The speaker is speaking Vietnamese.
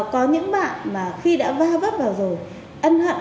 có những bạn mà khi đã va vấp vào rồi